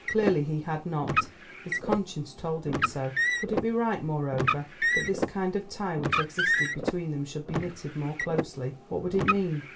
Clearly, he had not, his conscience told him so. Could it be right, moreover, that this kind of tie which existed between them should be knitted more closely? What would it mean?